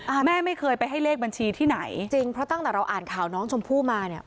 อ่าแม่ไม่เคยไปให้เลขบัญชีที่ไหนจริงเพราะตั้งแต่เราอ่านข่าวน้องชมพู่มาเนี่ย